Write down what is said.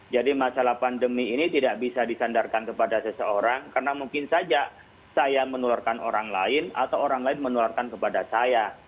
jadi masalah pandemi ini tidak bisa disandarkan kepada seseorang karena mungkin saja saya menularkan orang lain atau orang lain menularkan kepada saya